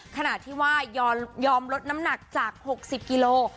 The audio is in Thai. ขนาดที่ว่ายอมลดน้ำหนักจากหกสิบกิโล